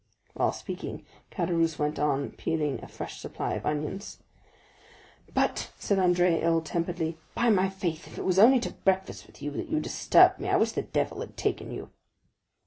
While speaking, Caderousse went on peeling a fresh supply of onions. "But," said Andrea, ill temperedly, "by my faith, if it was only to breakfast with you, that you disturbed me, I wish the devil had taken you!"